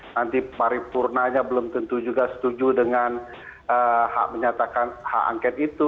nanti paripurnanya belum tentu juga setuju dengan hak menyatakan hak angket itu